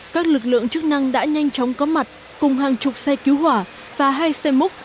các lực lượng chức năng đã nhanh chóng có mặt cùng hàng chục xe cứu hỏa và hai xe múc